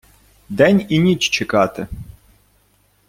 День і ніч чекати.